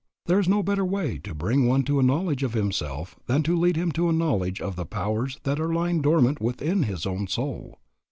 There is no better way to bring one to a knowledge of himself than to lead him to a knowledge of the powers that are lying dormant within his own soul.